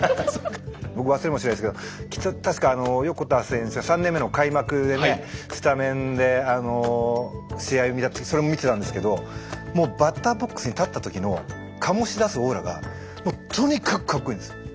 僕忘れもしないですけどきっと確か横田選手が３年目の開幕でねスタメンで試合をそれも見てたんですけどもうバッターボックスに立った時の醸し出すオーラがもうとにかくかっこいいんです。